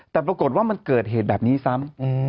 แต่ปรากฏว่ามันเกิดเหตุแบบนี้ซ้ำ